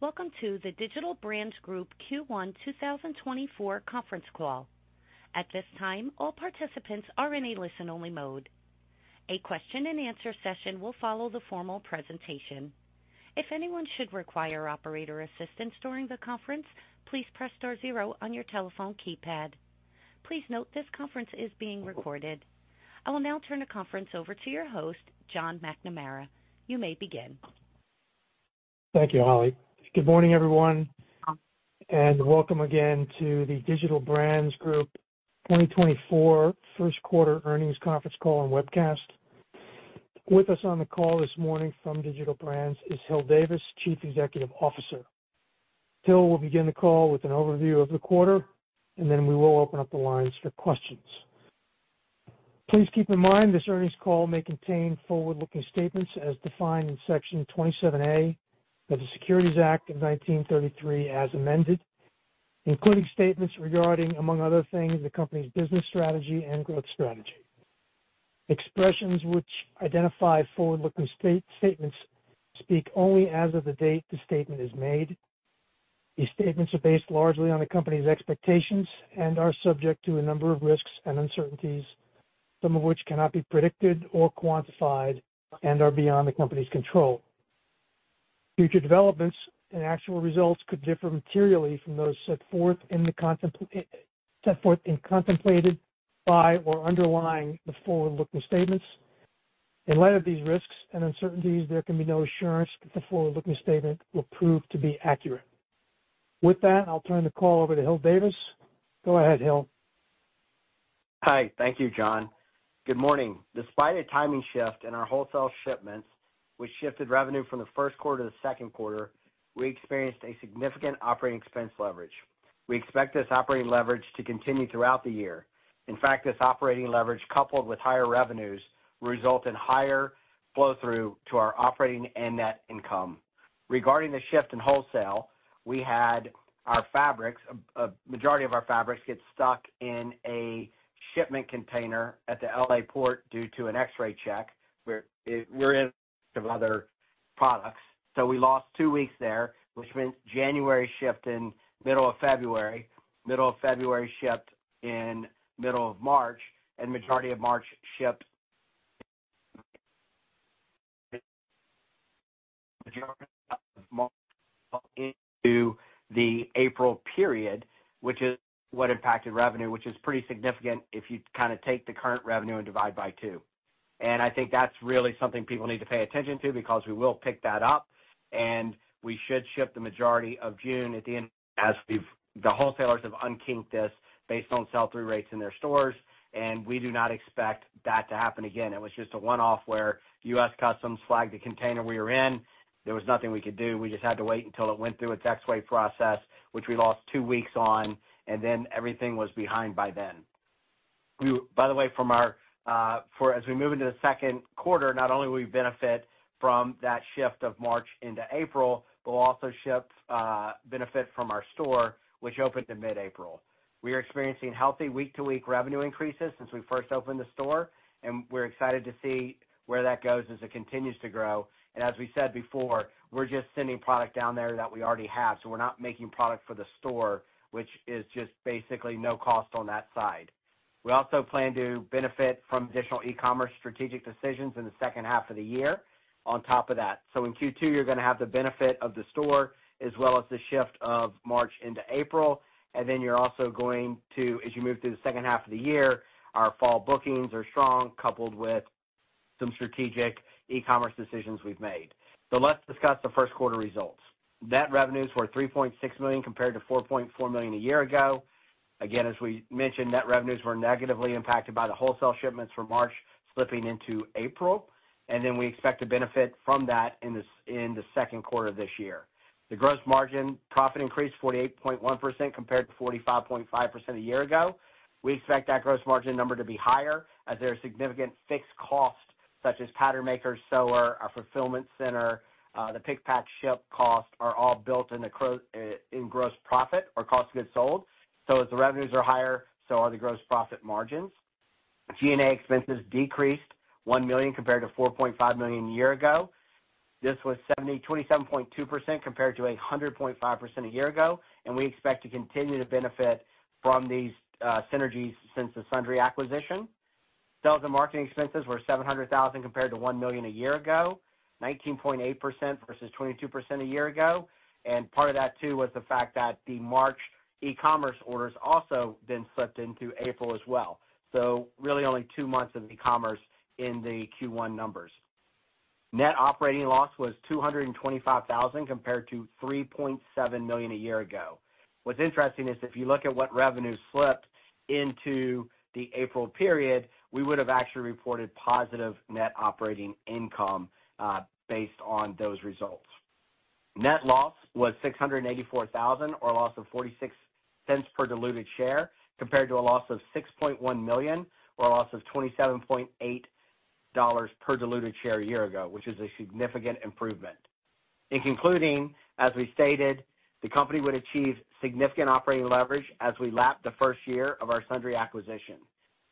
Greetings! Welcome to the Digital Brands Group Q1 2024 conference call. At this time, all participants are in a listen-only mode. A question-and-answer session will follow the formal presentation. If anyone should require operator assistance during the conference, please press star zero on your telephone keypad. Please note this conference is being recorded. I will now turn the conference over to your host, John McNamara. You may begin. Thank you, Holly. Good morning, everyone, and welcome again to the Digital Brands Group 2024 first quarter earnings conference call and webcast. With us on the call this morning from Digital Brands is Hil Davis, Chief Executive Officer. Hil will begin the call with an overview of the quarter, and then we will open up the lines for questions. Please keep in mind this earnings call may contain forward-looking statements as defined in Section 27A of the Securities Act of 1933, as amended, including statements regarding, among other things, the company's business strategy and growth strategy. Expressions which identify forward-looking statements speak only as of the date the statement is made. These statements are based largely on the company's expectations and are subject to a number of risks and uncertainties, some of which cannot be predicted or quantified and are beyond the company's control. Future developments and actual results could differ materially from those set forth and contemplated by or underlying the forward-looking statements. In light of these risks and uncertainties, there can be no assurance that the forward-looking statement will prove to be accurate. With that, I'll turn the call over to Hil Davis. Go ahead, Hil. Hi. Thank you, John. Good morning. Despite a timing shift in our wholesale shipments, which shifted revenue from the first quarter to the second quarter, we experienced a significant operating expense leverage. We expect this operating leverage to continue throughout the year. In fact, this operating leverage, coupled with higher revenues, will result in higher flow-through to our operating and net income. Regarding the shift in wholesale, we had our fabrics, a majority of our fabrics, get stuck in a shipment container at the LA port due to an X-ray check, where it was in with other products. So we lost two weeks there, which meant January shipped in middle of February, middle of February shipped in middle of March, and majority of March shipped into the April period, which is what impacted revenue, which is pretty significant if you kind of take the current revenue and divide by two. And I think that's really something people need to pay attention to because we will pick that up, and we should ship the majority of June at the end, as the wholesalers have unkinked this based on sell-through rates in their stores, and we do not expect that to happen again. It was just a one-off where U.S. Customs flagged the container we were in. There was nothing we could do. We just had to wait until it went through its X-ray process, which we lost two weeks on, and then everything was behind by then. By the way, from our, as we move into the second quarter, not only will we benefit from that shift of March into April, but we'll also benefit from our store, which opened in mid-April. We are experiencing healthy week-to-week revenue increases since we first opened the store, and we're excited to see where that goes as it continues to grow. As we said before, we're just sending product down there that we already have, so we're not making product for the store, which is just basically no cost on that side. We also plan to benefit from additional e-commerce strategic decisions in the second half of the year on top of that. So in Q2, you're gonna have the benefit of the store, as well as the shift of March into April, and then you're also going to, as you move through the second half of the year, our fall bookings are strong, coupled with some strategic e-commerce decisions we've made. So let's discuss the first quarter results. Net revenues were $3.6 million, compared to $4.4 million a year ago. Again, as we mentioned, net revenues were negatively impacted by the wholesale shipments from March slipping into April, and then we expect to benefit from that in this, in the second quarter of this year. The gross margin profit increased 48.1%, compared to 45.5% a year ago. We expect that gross margin number to be higher, as there are significant fixed costs, such as pattern makers, sewer, our fulfillment center, the pick, pack, ship costs are all built in the COGS, in gross profit or cost of goods sold. So as the revenues are higher, so are the gross profit margins. G&A expenses decreased $1 million compared to $4.5 million a year ago. This was 72.7% compared to 100.5% a year ago, and we expect to continue to benefit from these synergies since the Sundry acquisition. Sales and marketing expenses were $700,000 compared to $1 million a year ago, 19.8% versus 22% a year ago. And part of that, too, was the fact that the March e-commerce orders also then slipped into April as well. So really only two months of e-commerce in the Q1 numbers. Net operating loss was $225,000 compared to $3.7 million a year ago. What's interesting is if you look at what revenues slipped into the April period, we would have actually reported positive net operating income, based on those results. Net loss was $684,000, or a loss of $0.46 per diluted share, compared to a loss of $6.1 million, or a loss of $27.8 per diluted share a year ago, which is a significant improvement. In concluding, as we stated, the company would achieve significant operating leverage as we lap the first year of our Sundry acquisition....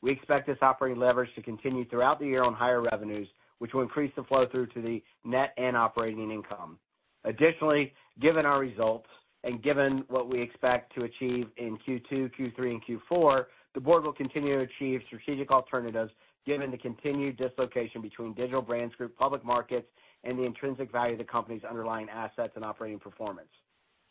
We expect this operating leverage to continue throughout the year on higher revenues, which will increase the flow through to the net and operating income. Additionally, given our results and given what we expect to achieve in Q2, Q3, and Q4, the board will continue to pursue strategic alternatives, given the continued dislocation between Digital Brands Group, public markets, and the intrinsic value of the company's underlying assets and operating performance.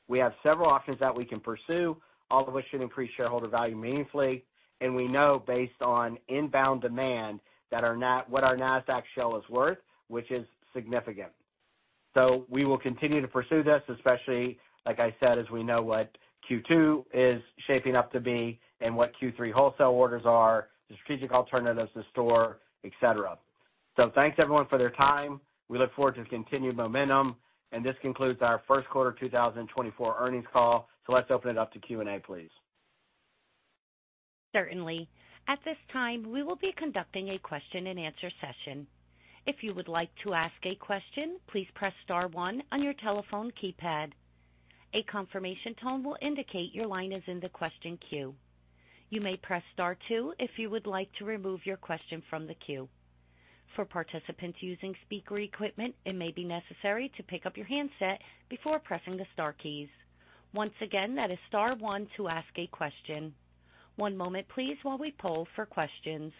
We have several options that we can pursue, all of which should increase shareholder value meaningfully, and we know based on inbound demand, that our what our Nasdaq shell is worth, which is significant. So we will continue to pursue this, especially, like I said, as we know what Q2 is shaping up to be and what Q3 wholesale orders are, the strategic alternatives to explore, et cetera. So thanks everyone for their time. We look forward to the continued momentum, and this concludes our first quarter 2024 earnings call. So let's open it up to Q&A, please. Certainly. At this time, we will be conducting a question-and-answer session. If you would like to ask a question, please press star one on your telephone keypad. A confirmation tone will indicate your line is in the question queue. You may press star two if you would like to remove your question from the queue. For participants using speaker equipment, it may be necessary to pick up your handset before pressing the star keys. Once again, that is star one to ask a question. One moment please, while we poll for questions.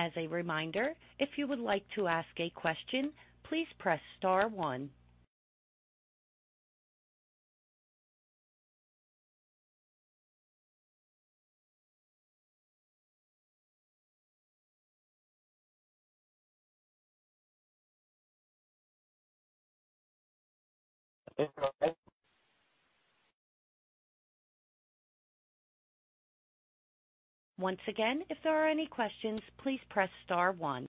As a reminder, if you would like to ask a question, please press star one. Once again, if there are any questions, please press star one.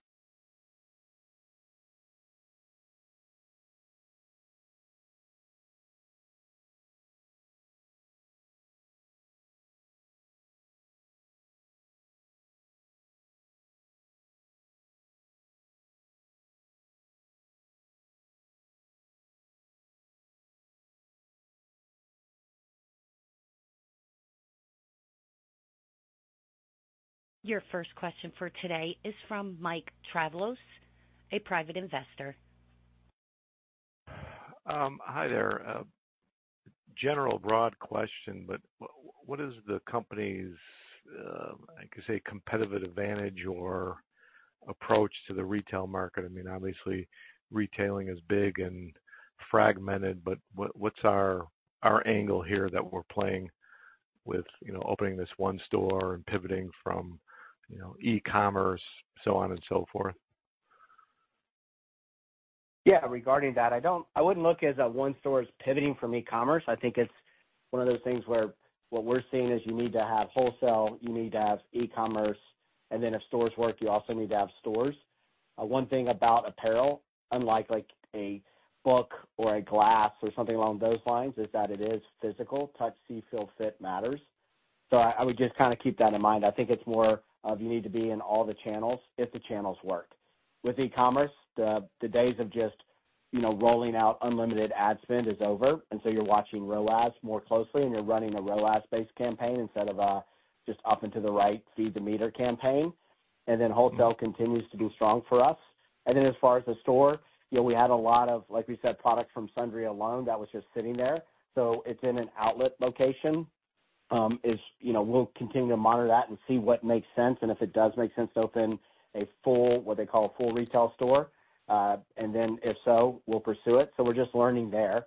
Your first question for today is from Mike Travlos, a private investor. Hi there. General broad question, but what is the company's, I could say, competitive advantage or approach to the retail market? I mean, obviously, retailing is big and fragmented, but what's our angle here that we're playing with, you know, opening this one store and pivoting from, you know, e-commerce, so on and so forth? Yeah, regarding that, I don't-- I wouldn't look at it as one store as pivoting from e-commerce. I think it's one of those things where what we're seeing is you need to have wholesale, you need to have e-commerce, and then if stores work, you also need to have stores. One thing about apparel, unlike like a book or a glass or something along those lines, is that it is physical. Touch, see, feel, fit matters. So I, I would just kind of keep that in mind. I think it's more of you need to be in all the channels if the channels work. With e-commerce, the days of just, you know, rolling out unlimited ad spend is over, and so you're watching ROAS more closely, and you're running a ROAS-based campaign instead of just up into the right, see the meter campaign. And then wholesale continues to be strong for us. And then as far as the store, you know, we had a lot of, like we said, products from Sundry alone that was just sitting there. So it's in an outlet location. It's, you know, we'll continue to monitor that and see what makes sense, and if it does make sense to open a full, what they call a full retail store, and then if so, we'll pursue it. So we're just learning there.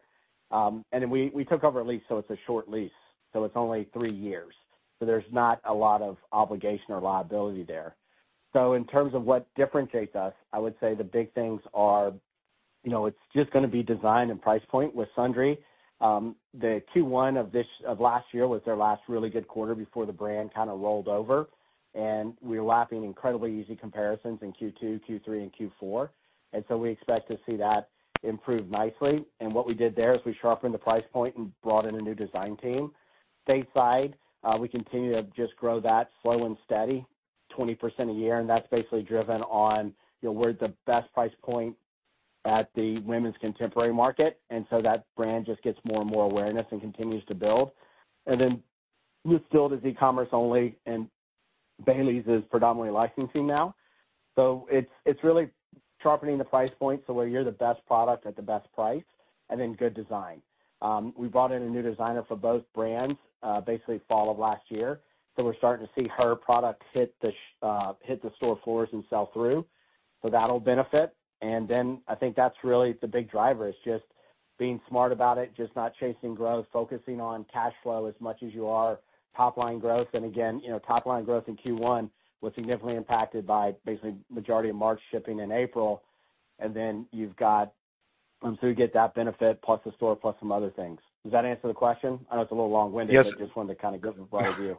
And then we took over a lease, so it's a short lease, so it's only three years. So there's not a lot of obligation or liability there. So in terms of what differentiates us, I would say the big things are, you know, it's just gonna be design and price point with Sundry. The Q1 of this, of last year was their last really good quarter before the brand kind of rolled over, and we were lapping incredibly easy comparisons in Q2, Q3, and Q4. So we expect to see that improve nicely. What we did there is we sharpened the price point and brought in a new design team. Stateside, we continue to just grow that slow and steady, 20% a year, and that's basically driven on, you know, we're at the best price point at the women's contemporary market, and so that brand just gets more and more awareness and continues to build. Then DSTLD does e-commerce only, and Bailey's is predominantly licensing now. So it's, it's really sharpening the price point so where you're the best product at the best price, and then good design. We brought in a new designer for both brands, basically fall of last year, so we're starting to see her products hit the store floors and sell through. So that'll benefit. And then I think that's really the big driver is just being smart about it, just not chasing growth, focusing on cash flow as much as you are top line growth. And again, you know, top line growth in Q1 was significantly impacted by basically majority of March shipping in April, and then you've got... And so you get that benefit, plus the store, plus some other things. Does that answer the question? I know it's a little long-winded- Yes. but just wanted to kind of give a broad view.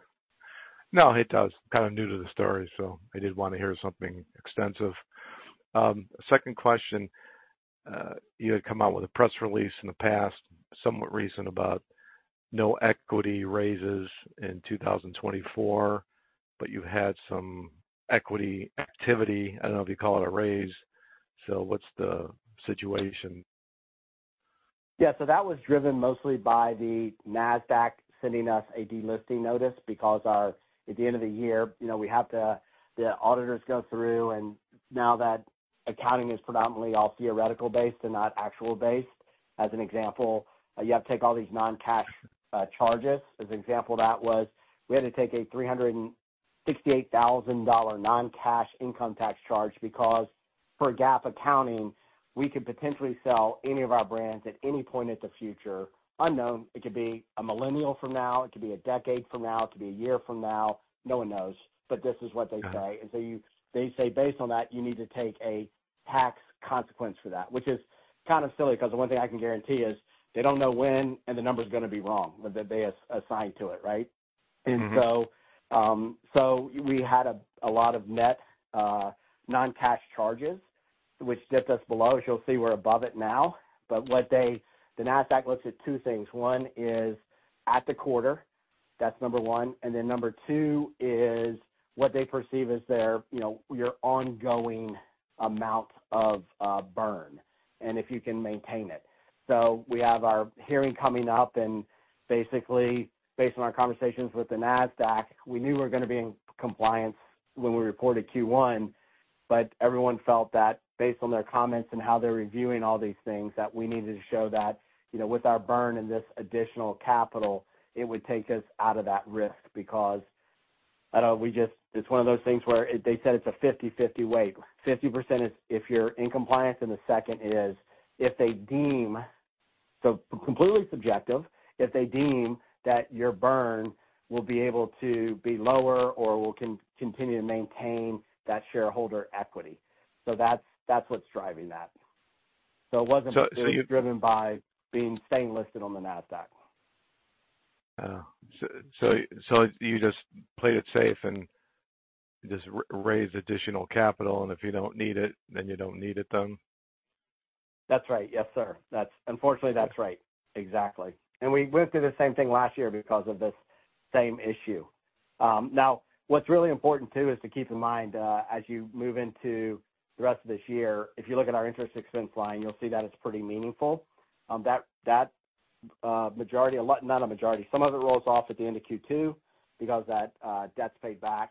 No, it does, kind of new to the story, so I did want to hear something extensive. Second question: you had come out with a press release in the past, somewhat recent, about no equity raises in 2024, but you had some equity activity. I don't know if you call it a raise. So what's the situation? Yeah, so that was driven mostly by the Nasdaq sending us a delisting notice because our, at the end of the year, you know, we have to- the auditors go through, and now that accounting is predominantly all theoretical based and not actual based. As an example, you have to take all these non-cash charges. As an example, that was, we had to take a $368,000 non-cash income tax charge because, for GAAP accounting, we could potentially sell any of our brands at any point in the future. Unknown, it could be a millennium from now, it could be a decade from now, it could be a year from now. No one knows, but this is what they say. Uh-huh. And so you, they say, based on that, you need to take a tax consequence for that, which is kind of silly because the one thing I can guarantee is they don't know when, and the number's gonna be wrong, but that they as assigned to it, right? Mm-hmm. So we had a lot of net non-cash charges, which dipped us below. As you'll see, we're above it now. But what they... The Nasdaq looks at two things. One is at the quarter, that's number one. And then number two is what they perceive as their, you know, your ongoing amount of burn and if you can maintain it. So we have our hearing coming up, and basically, based on our conversations with the Nasdaq, we knew we were gonna be in compliance when we reported Q1, but everyone felt that based on their comments and how they're reviewing all these things, that we needed to show that, you know, with our burn and this additional capital, it would take us out of that risk. Because, I don't know, we just, it's one of those things where they said it's a 50/50 weight. 50% is if you're in compliance, and the second is if they deem, so completely subjective, if they deem that your burn will be able to be lower or will continue to maintain that shareholder equity. So that's, that's what's driving that. So it wasn't- So you- driven by being, staying listed on the Nasdaq. Oh, so you just played it safe and just raised additional capital, and if you don't need it, then you don't need it then? That's right. Yes, sir. That's... unfortunately, that's right. Exactly. And we went through the same thing last year because of this same issue. Now, what's really important, too, is to keep in mind, as you move into the rest of this year, if you look at our interest expense line, you'll see that it's pretty meaningful. That, that, majority, a lot, not a majority, some of it rolls off at the end of Q2 because that, debt's paid back.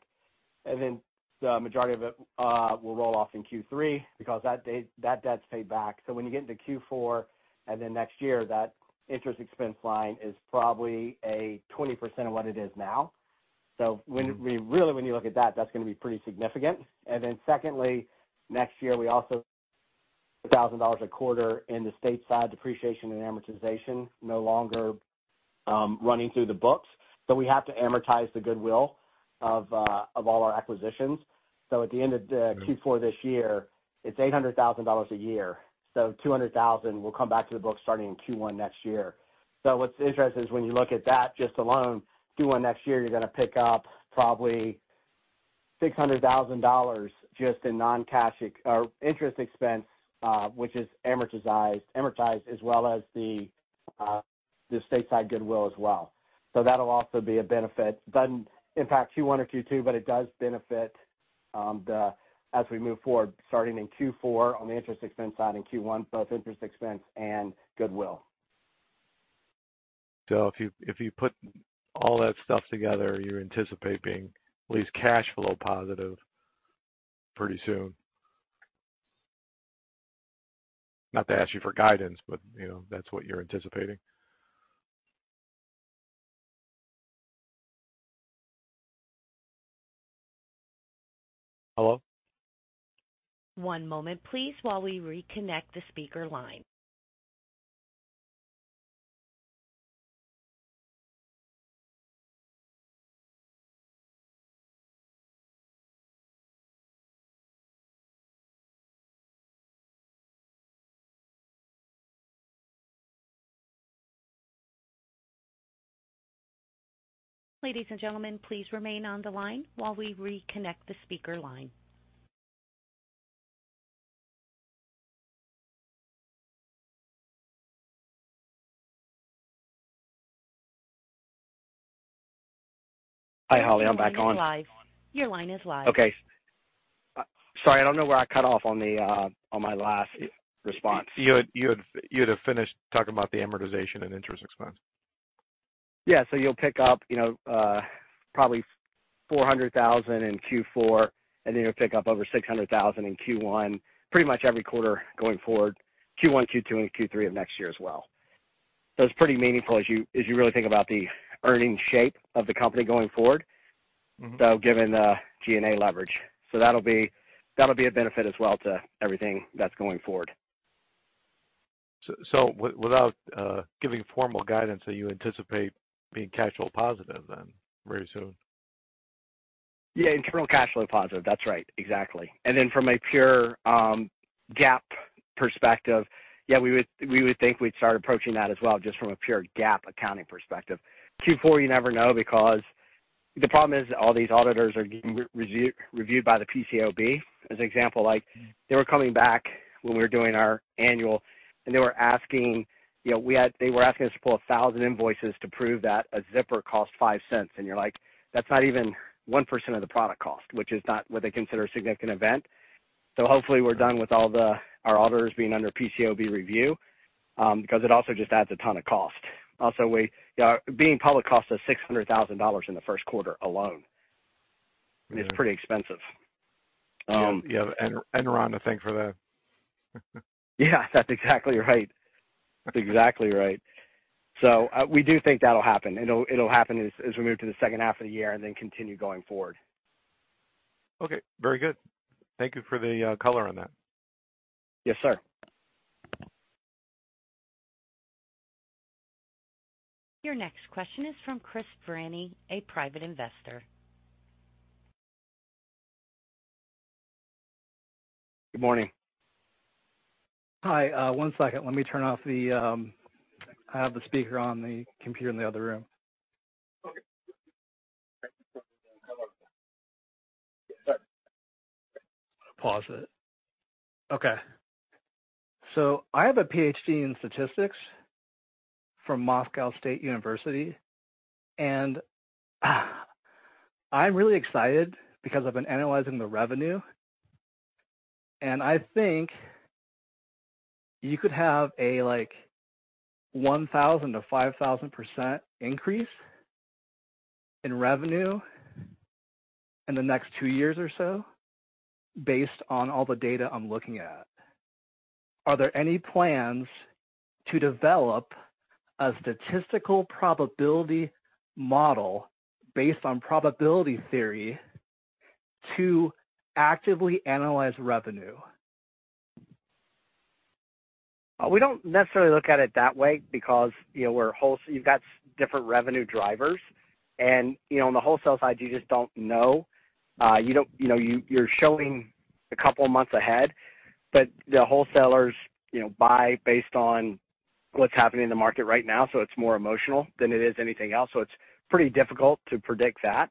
And then the majority of it, will roll off in Q3 because that date, that debt's paid back. So when you get into Q4 and then next year, that interest expense line is probably 20% of what it is now. Mm-hmm. So when really, when you look at that, that's gonna be pretty significant. And then secondly, next year, we also a $1,000 a quarter in the Stateside depreciation and amortization, no longer running through the books. So we have to amortize the goodwill of, of all our acquisitions. So at the end of the- Mm-hmm Q4 this year, it's $800,000 a year. So $200,000 will come back to the books starting in Q1 next year. So what's interesting is when you look at that, just alone, Q1 next year, you're gonna pick up probably $600,000 just in non-cash ex- or interest expense, which is amortized, as well as the the Stateside goodwill as well. So that'll also be a benefit. Doesn't impact Q1 or Q2, but it does benefit the, as we move forward, starting in Q4 on the interest expense side, in Q1, both interest expense and goodwill. So if you put all that stuff together, you anticipate being at least cash flow positive pretty soon. Not to ask you for guidance, but, you know, that's what you're anticipating. Hello? One moment, please, while we reconnect the speaker line. Ladies and gentlemen, please remain on the line while we reconnect the speaker line. Hi, Holly, I'm back on. Your line is live. Your line is live. Okay. Sorry, I don't know where I cut off on my last response. You had finished talking about the amortization and interest expense. Yeah, so you'll pick up, you know, probably $400,000 in Q4, and then you'll pick up over $600,000 in Q1, pretty much every quarter going forward, Q1, Q2, and Q3 of next year as well. So it's pretty meaningful as you, as you really think about the earnings shape of the company going forward. Mm-hmm... So given the G&A leverage. So that'll be, that'll be a benefit as well to everything that's going forward. So without giving formal guidance, so you anticipate being cash flow positive then, very soon? Yeah, internal cash flow positive. That's right. Exactly. And then from a pure GAAP perspective, yeah, we would, we would think we'd start approaching that as well, just from a pure GAAP accounting perspective. Q4, you never know because-... The problem is, all these auditors are getting reviewed by the PCAOB. As an example, like, they were coming back when we were doing our annual, and they were asking, you know, they were asking us to pull 1,000 invoices to prove that a zipper costs $0.05, and you're like, that's not even 1% of the product cost, which is not what they consider a significant event. So hopefully, we're done with all the, our auditors being under PCAOB review, because it also just adds a ton of cost. Also, we-- Yeah, being public costs us $600,000 in the first quarter alone. It's pretty expensive. You have Enron to thank for that. Yeah, that's exactly right. That's exactly right. So, we do think that'll happen, and it'll happen as we move to the second half of the year and then continue going forward. Okay, very good. Thank you for the color on that. Yes, sir. Your next question is from Chris Vrany, a private investor. Good morning. Hi, one second. Let me turn off the, I have the speaker on the computer in the other room. Okay. Pause it. Okay. So I have a PhD in statistics from Moscow State University, and, I'm really excited because I've been analyzing the revenue, and I think you could have a, like, 1,000%-5,000% increase in revenue in the next two years or so, based on all the data I'm looking at. Are there any plans to develop a statistical probability model based on probability theory to actively analyze revenue? We don't necessarily look at it that way because, you know, we're wholly. You've got different revenue drivers, and, you know, on the wholesale side, you just don't know. You don't, you know, you, you're showing a couple of months ahead, but the wholesalers, you know, buy based on what's happening in the market right now, so it's more emotional than it is anything else, so it's pretty difficult to predict that. Right.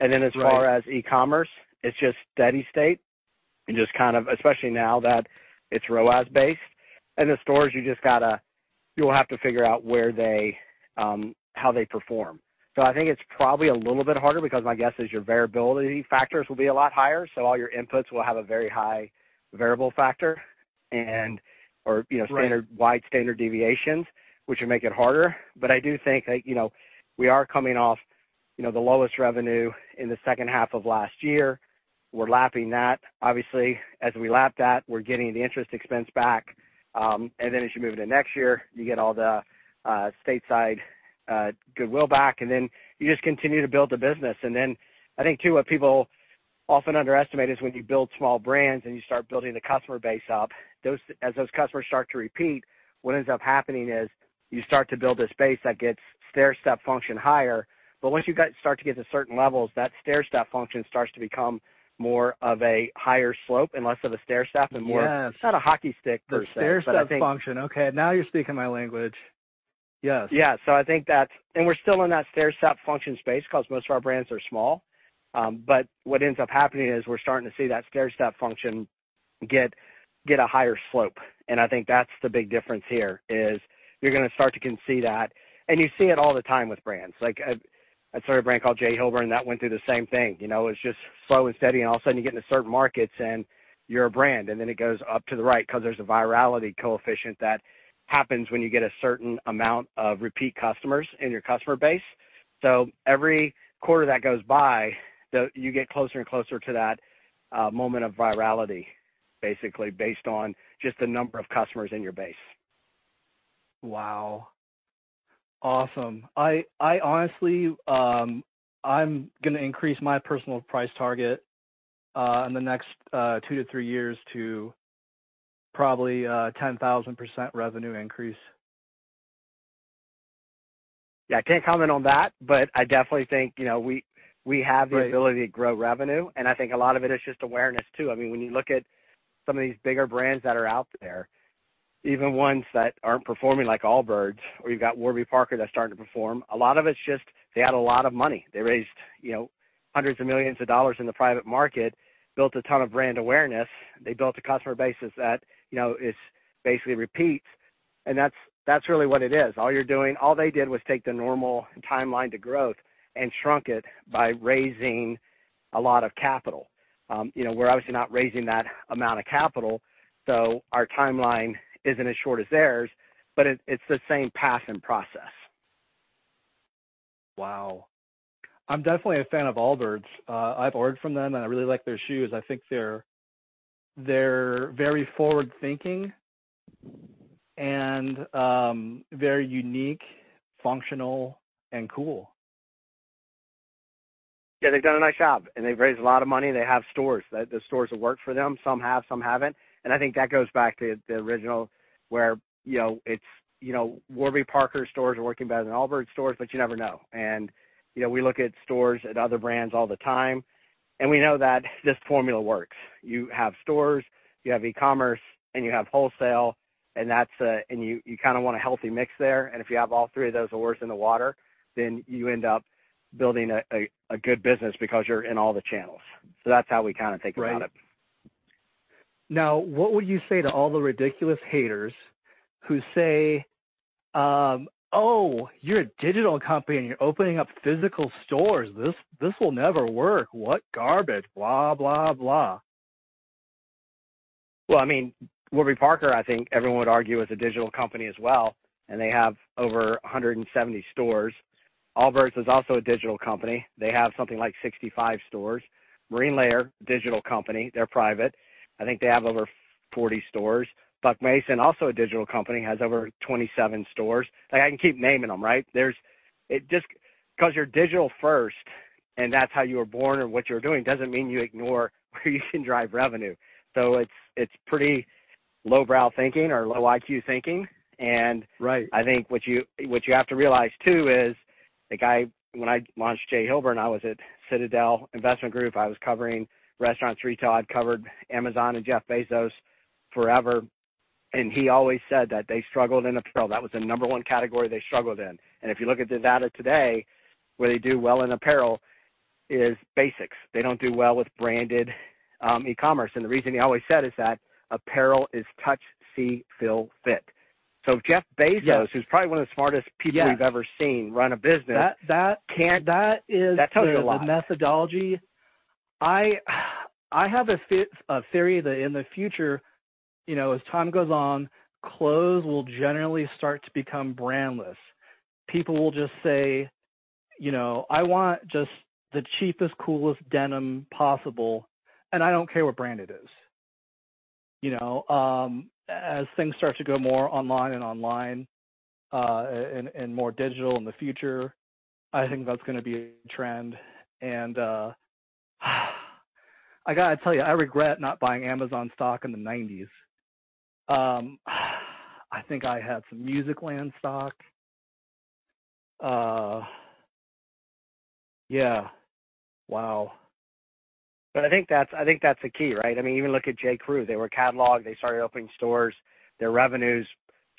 And then as far as e-commerce, it's just steady state and just kind of, especially now that it's ROAS-based, and the stores, you just gotta, you'll have to figure out where they, how they perform. So I think it's probably a little bit harder because my guess is your variability factors will be a lot higher, so all your inputs will have a very high variable factor and, or, you know- Right... standard, wide standard deviations, which would make it harder. But I do think that, you know, we are coming off, you know, the lowest revenue in the second half of last year. We're lapping that. Obviously, as we lap that, we're getting the interest expense back. And then as you move into next year, you get all the Stateside goodwill back, and then you just continue to build the business. And then I think, too, what people often underestimate is when you build small brands and you start building the customer base up, those- as those customers start to repeat, what ends up happening is you start to build a space that gets stairstep function higher. But once you get, start to get to certain levels, that stairstep function starts to become more of a higher slope and less of a stairstep and more- Yes. It's not a hockey stick, per se, but I think- The stairstep function. Okay, now you're speaking my language. Yes. Yeah. So I think that's, and we're still in that stairstep function space because most of our brands are small. But what ends up happening is we're starting to see that stairstep function get, get a higher slope, and I think that's the big difference here, is you're gonna start to can see that. And you see it all the time with brands. Like, I started a brand called J. Hilburn, that went through the same thing. You know, it's just slow and steady, and all of a sudden you get into certain markets and you're a brand, and then it goes up to the right because there's a virality coefficient that happens when you get a certain amount of repeat customers in your customer base. Every quarter that goes by, you get closer and closer to that moment of virality, basically, based on just the number of customers in your base. Wow! Awesome. I honestly, I'm gonna increase my personal price target in the next 2-3 years to probably 10,000% revenue increase. Yeah, I can't comment on that, but I definitely think, you know, we have- Right... the ability to grow revenue, and I think a lot of it is just awareness, too. I mean, when you look at some of these bigger brands that are out there, even ones that aren't performing like Allbirds, or you've got Warby Parker that's starting to perform. A lot of it's just they had a lot of money. They raised, you know, $100,000,000s in the private market, built a ton of brand awareness. They built a customer base that, you know, is basically repeats, and that's, that's really what it is. All they did was take the normal timeline to growth and shrunk it by raising a lot of capital. You know, we're obviously not raising that amount of capital, so our timeline isn't as short as theirs, but it, it's the same path and process. Wow. I'm definitely a fan of Allbirds. I've ordered from them, and I really like their shoes. I think they're very forward-thinking and very unique, functional, and cool. Yeah, they've done a nice job, and they've raised a lot of money. They have stores. The stores have worked for them. Some have, some haven't, and I think that goes back to the original, where, you know, it's, you know, Warby Parker stores are working better than Allbirds stores, but you never know. And, you know, we look at stores and other brands all the time, and we know that this formula works. You have stores, you have e-commerce, and you have wholesale. And that's, and you kind of want a healthy mix there, and if you have all three of those oars in the water, then you end up building a good business because you're in all the channels. So that's how we kind of think about it. Right. Now, what would you say to all the ridiculous haters who say, "Oh, you're a digital company, and you're opening up physical stores. This, this will never work. What garbage? Blah, blah, blah. Well, I mean, Warby Parker, I think everyone would argue, is a digital company as well, and they have over 170 stores. Allbirds is also a digital company. They have something like 65 stores. Marine Layer, digital company, they're private. I think they have over 40 stores. Buck Mason, also a digital company, has over 27 stores. Like, I can keep naming them, right? There's-- It just-- 'Cause you're digital first, and that's how you were born or what you're doing, doesn't mean you ignore where you can drive revenue. So it's, it's pretty lowbrow thinking or low IQ thinking, and- Right. I think what you have to realize, too, is, like, when I launched J. Hilburn, I was at Citadel Investment Group. I was covering restaurants, retail. I'd covered Amazon and Jeff Bezos forever, and he always said that they struggled in apparel. That was the number one category they struggled in. And if you look at the data today, where they do well in apparel is basics. They don't do well with branded e-commerce, and the reason he always said is that apparel is touch, see, feel, fit. So if Jeff Bezos- Yes. who's probably one of the smartest people- Yes we've ever seen run a business, that can't- That is. That tells you a lot.... the methodology. I have a theory that in the future, you know, as time goes on, clothes will generally start to become brandless. People will just say, "You know, I want just the cheapest, coolest denim possible, and I don't care what brand it is." You know, as things start to go more online and online, and more digital in the future, I think that's gonna be a trend. And, I gotta tell you, I regret not buying Amazon stock in the 1990s. I think I had some Musicland stock. Yeah. Wow! But I think that's, I think that's the key, right? I mean, even look at J.Crew. They were a catalog. They started opening stores. Their revenues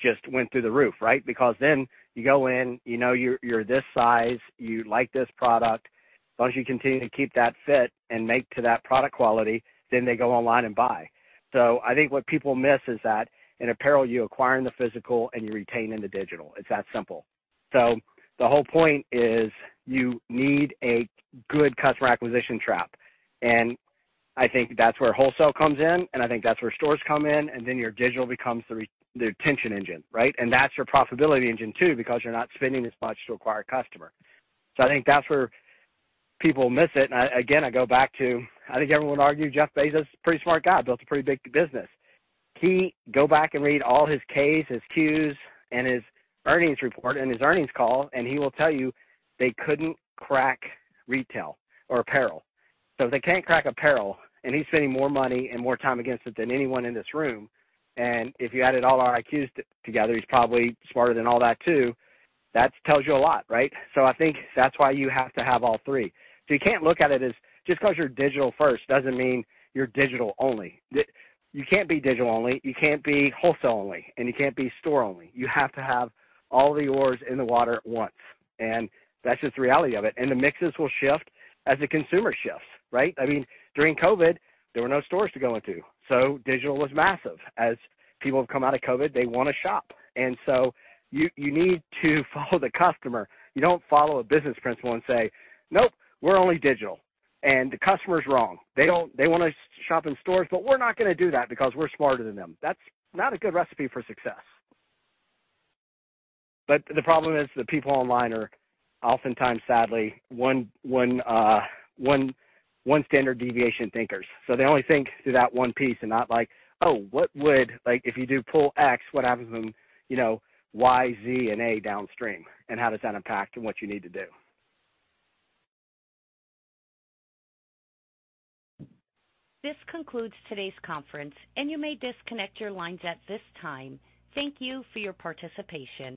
just went through the roof, right? Because then you go in, you know, you're, you're this size, you like this product. As long as you continue to keep that fit and make to that product quality, then they go online and buy. So I think what people miss is that in apparel, you acquire in the physical, and you retain in the digital. It's that simple. So the whole point is, you need a good customer acquisition trap, and I think that's where wholesale comes in, and I think that's where stores come in, and then your digital becomes the retention engine, right? And that's your profitability engine, too, because you're not spending as much to acquire a customer. So I think that's where people miss it, and I, again, I go back to, I think everyone would argue Jeff Bezos is a pretty smart guy, built a pretty big business. He. Go back and read all his K's, his Q's, and his earnings report, and his earnings call, and he will tell you, they couldn't crack retail or apparel. So if they can't crack apparel, and he's spending more money and more time against it than anyone in this room, and if you added all our IQs together, he's probably smarter than all that, too. That tells you a lot, right? So I think that's why you have to have all three. So you can't look at it as, just 'cause you're digital first, doesn't mean you're digital only. You can't be digital only, you can't be wholesale only, and you can't be store only. You have to have all the oars in the water at once, and that's just the reality of it. The mixes will shift as the consumer shifts, right? I mean, during COVID, there were no stores to go into, so digital was massive. As people have come out of COVID, they wanna shop. So you need to follow the customer. You don't follow a business principle and say, "Nope, we're only digital, and the customer's wrong. They don't. They wanna shop in stores, but we're not gonna do that because we're smarter than them." That's not a good recipe for success. But the problem is that people online are oftentimes, sadly, one standard deviation thinkers. So they only think through that one piece and not like, "Oh, what would... Like, if you do pull X, what happens in, you know, Y, Z, and A downstream, and how does that impact in what you need to do? This concludes today's conference, and you may disconnect your lines at this time. Thank you for your participation.